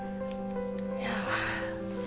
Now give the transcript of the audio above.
いや。